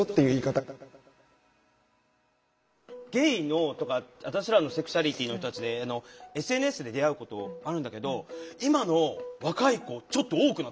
ゲイのとか私らのセクシュアリティーの人たちでＳＮＳで出会うことあるんだけど今の若い子ちょっと多くなってきてんの。